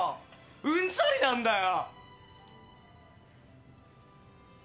うんざりなんだよ。